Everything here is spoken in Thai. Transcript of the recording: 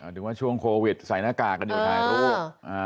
ถึงว่าช่วงโควิดใส่หน้ากากกันอยู่ถ่ายรูป